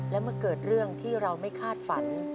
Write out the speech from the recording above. แล้วมาเกิดเรื่องที่เราไม่คาดฝัน